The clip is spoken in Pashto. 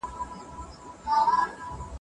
یوه ورځ یې پر چینه اوبه چښلې